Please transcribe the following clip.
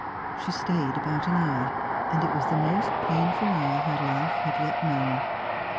She stayed about an hour, and it was the most painful hour her life had yet known.